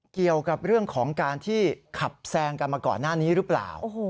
เกี่ยวกับเรื่องของการที่ขับแซงกันมาก่อนหน้านี้หรือเปล่า